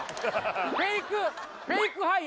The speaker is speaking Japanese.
フェイクフェイクはい